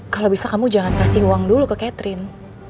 kalau bisa kamu jangan kasih uang dulu ke catherine